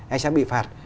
anh sẽ bị phạt